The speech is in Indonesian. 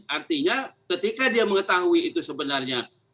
artinya ketika dia mengetahui itu sebenarnya